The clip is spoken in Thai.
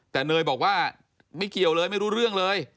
แต่เนยบอกว่าไม่เกี่ยวเลยไม่รู้เรื่องเลย